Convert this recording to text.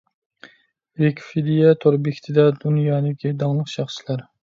ۋىكىپېدىيە تور بېكىتىدە دۇنيادىكى داڭلىق شەخسلەر.